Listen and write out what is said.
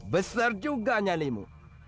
besar juga nyalimu